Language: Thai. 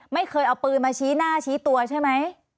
ไม่เคยเอาปืนมาชี้หน้าชี้ตัวใช่ไหม